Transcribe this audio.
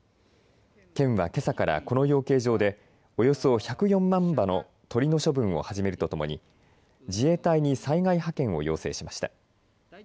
県はけさからこの養鶏場でおよそ１０４万羽の鳥の処分を始めるとともに自衛隊に災害派遣を要請しました。